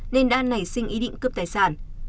nên đã nảy sinh ý định cướp tài sản